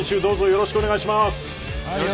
よろしくお願いします。